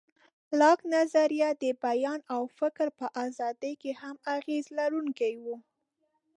لاک نظریه د بیان او فکر په ازادۍ کې هم اغېز لرونکی و.